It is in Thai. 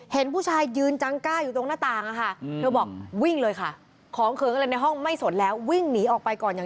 เห็นผู้ชายยืนจังกล้าอยู่ตรงหน้าต่างค่ะค่ะ